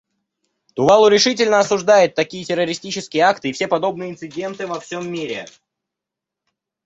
Тувалу решительно осуждает такие террористические акты и все подобные инциденты во всем мире.